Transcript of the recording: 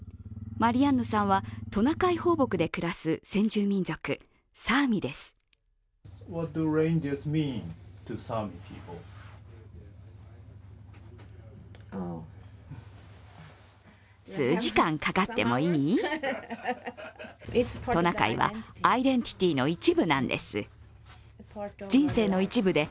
マリアンヌさんはトナカイ放牧で暮らす先住民族、サーミです。